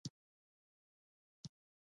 موږ دواړه اسماس ته ولاړو.